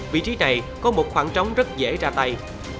vị trí này có một khoảng trống rất dễ ra tay